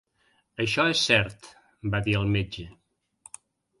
"Això és cert", va dir el metge.